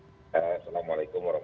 assalamualaikum wr wb